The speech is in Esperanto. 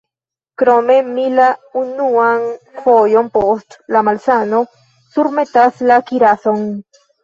Krome, mi la unuan fojon post la malsano surmetas la kirason.